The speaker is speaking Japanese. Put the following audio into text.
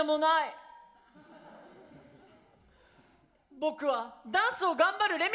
僕はダンスを頑張るれみ